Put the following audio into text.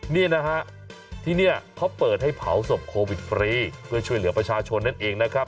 นี่นะฮะที่นี่เขาเปิดให้เผาศพโควิดฟรีเพื่อช่วยเหลือประชาชนนั่นเองนะครับ